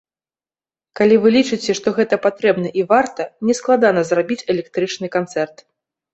Калі вы лічыце, што гэта патрэбна і варта, не складана зрабіць электрычны канцэрт.